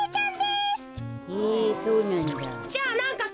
へえそうなんだ。